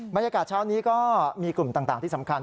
บรรยากาศเช้านี้ก็มีกลุ่มต่างที่สำคัญ